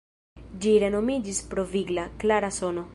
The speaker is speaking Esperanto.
Ĝi renomiĝis pro vigla, klara sono.